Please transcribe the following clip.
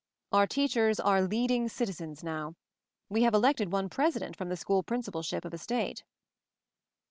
Our teachers are 'leading citizens' now — we have elected one President from the School Principalship of a state."